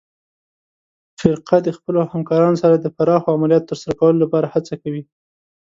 فرقه د خپلو همکارانو سره د پراخو عملیاتو ترسره کولو لپاره هڅه کوي.